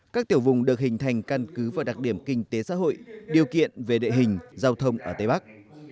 các tiểu vùng được hình thành căn cứ và đặc điểm kinh tế xã hội điều kiện về địa hình giao thông ở tây bắc